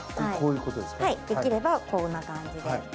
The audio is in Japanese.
できればこんな感じで。